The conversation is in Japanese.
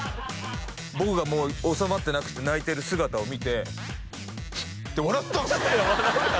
僕がもう収まってなくて泣いてる姿を見てフッて笑ったんすよ